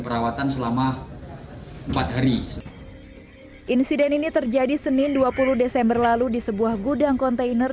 perawatan selama empat hari insiden ini terjadi senin dua puluh desember lalu di sebuah gudang kontainer